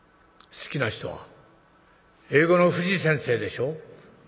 好きな人は英語の藤先生でしょ？」。